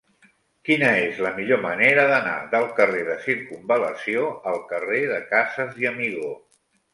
Quina és la millor manera d'anar del carrer de Circumval·lació al carrer de Casas i Amigó?